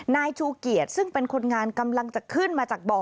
นายชูเกียรติซึ่งเป็นคนงานกำลังจะขึ้นมาจากบ่อ